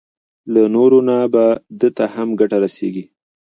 له نورو نه به ده ته هم ګټه رسېږي.